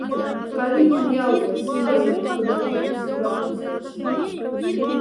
Калинин ялгась, азонтк, кода тиевсь революциясь.